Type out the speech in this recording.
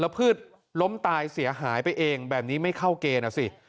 และพืชล้อมตายเสียหายไปเองแบบนี้ไม่เข้าเกณฑ์